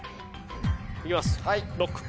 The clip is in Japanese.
はい。